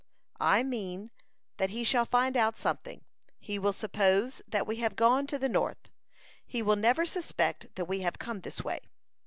"I mean that he shall find out something. He will suppose that we have gone to the north. He will never suspect that we have come this way.